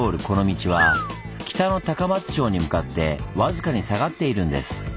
この道は北の高松城に向かって僅かに下がっているんです。